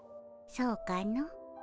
そうかの？